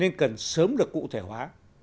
nên cần sớm được cụ thể hóa